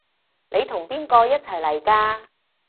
你同邊個一齊嚟㗎？